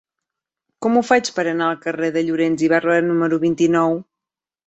Com ho faig per anar al carrer de Llorens i Barba número vint-i-nou?